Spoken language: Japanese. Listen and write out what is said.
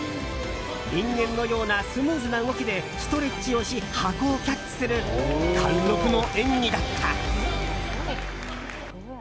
人間のようなスムーズな動きでストレッチをし箱をキャッチする貫禄の演技だった。